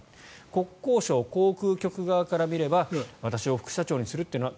国交省航空局側から見れば私を副社長にするというのは